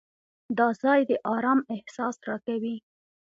دا ځای د آرام احساس راکوي.